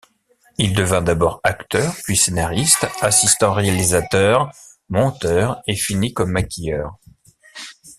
Il devint d'abord acteur, puis scénariste, assistant réalisateur, monteur, et finit comme maquilleur.